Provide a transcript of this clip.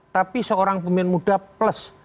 tapi seorang pemain muda plus